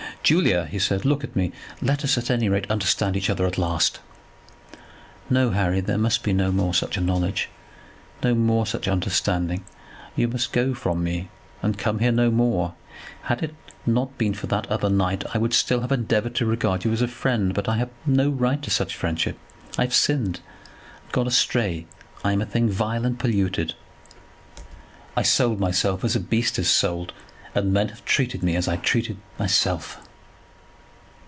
"Julia," he said, "look at me; let us at any rate understand each other at last." "No, Harry; there must be no more such knowledge, no more such understanding. You must go from me, and come here no more. Had it not been for that other night, I would still have endeavoured to regard you as a friend. But I have no right to such friendship. I have sinned and gone astray, and am a thing vile and polluted. I sold myself, as a beast is sold, and men have treated me as I treated myself."